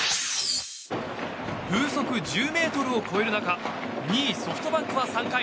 風速１０メートルを超える中２位、ソフトバンクは３回